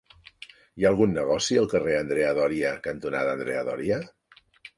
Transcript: Hi ha algun negoci al carrer Andrea Doria cantonada Andrea Doria?